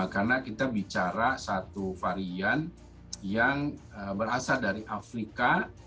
karena ada satu varian yang berasal dari afrika